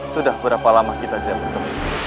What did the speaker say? sudah berapa lama kita bisa bertemu